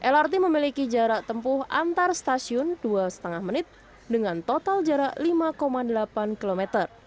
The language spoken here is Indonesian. lrt memiliki jarak tempuh antar stasiun dua lima menit dengan total jarak lima delapan km